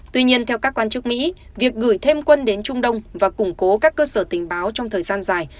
tuy nhiên theo các quan chức mỹ việc gửi thêm quân đến trung đông và củng cố các cơ sở tình báo trong thời gian dài